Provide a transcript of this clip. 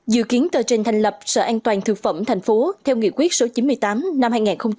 dự kiến tờ trình thành lập sở an toàn thực phẩm tp hcm theo nghị quyết số chín mươi tám năm hai nghìn hai mươi ba